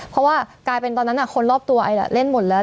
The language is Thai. เพราะว่ากลายเป็นตอนนั้นคนรอบตัวไอเล่นหมดแล้ว